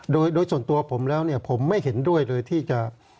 โดยส่วนตัวผมแล้วเนี่ยผมไม่เห็นด้วยเลยที่จะ